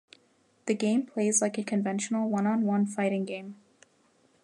The game plays like a conventional one-on-one fighting game.